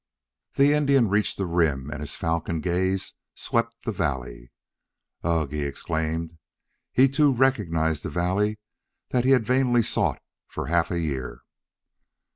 The Indian reached the rim and his falcon gaze swept the valley. "Ugh!" he exclaimed. He, too, recognized the valley that he had vainly sought for half a year.